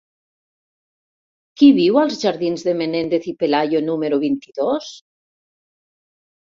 Qui viu als jardins de Menéndez y Pelayo número vint-i-dos?